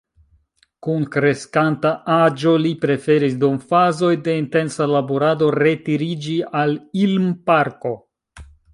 Kun kreskanta aĝo li preferis dum fazoj de intensa laborado retiriĝi al Ilm-parko.